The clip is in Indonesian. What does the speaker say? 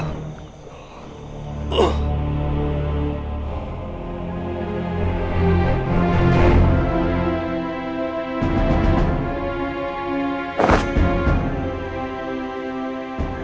aku tidak mau menangkapmu